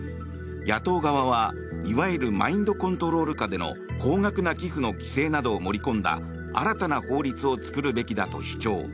野党側はいわゆるマインドコントロール下での高額な寄付の規制などを盛り込んだ新たな法律を作るべきだと主張。